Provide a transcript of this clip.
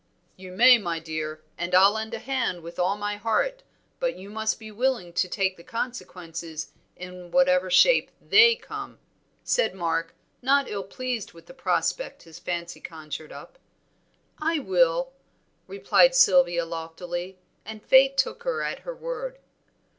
"You may, my dear, and I'll lend a hand with all my heart, but you must be willing to take the consequences in whatever shape they come," said Mark, not ill pleased with the prospect his fancy conjured up. "I will," replied Sylvia loftily, and fate took her at her word.